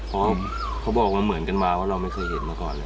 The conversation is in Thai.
เพราะเขาบอกว่าเหมือนกันมาว่าเราไม่เคยเห็นมาก่อนเลย